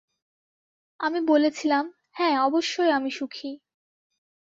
আমি বলেছিলাম, হ্যাঁ, অবশ্যই, আমি সুখী।